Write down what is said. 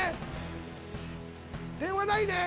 電話ないね！